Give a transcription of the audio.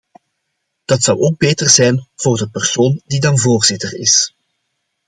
Dat zou ook beter zijn voor de persoon die dan voorzitter is.